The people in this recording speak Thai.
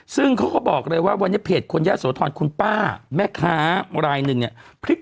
ซึ่งเขาก็บอกเลยว่าวันนี้เพจคนยะโสธรคุณป้าแม่ค้ารายหนึ่งเนี่ย